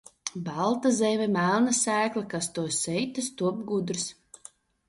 Balta zeme, melna sēkla, kas to sēj, tas top gudrs.